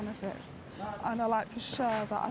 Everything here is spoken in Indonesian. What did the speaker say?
untuk memberi keuntungan kepada orang lain